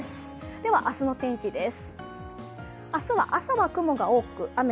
では明日の天気です。